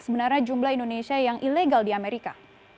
sebenarnya jumlah indonesia yang ilegal di amerika